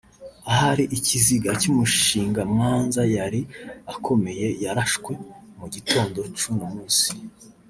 ahari ikiziga c'umushingamwanza yari akomeye yarashwe mu gitondo c'uno munsi